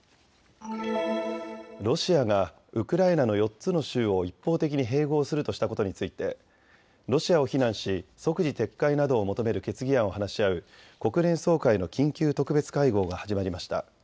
ロシアがウクライナの４つの州を一方的に併合するとしたことについてロシアを非難し即時撤回などを求める決議案を話し合う国連総会の緊急特別会合が始まりました。